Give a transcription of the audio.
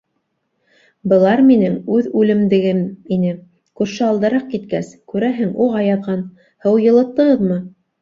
Былар минең үҙ үлемдегем ине, күрше алдараҡ киткәс, күрәһең, уға яҙған, һыу йылыттығыҙмы?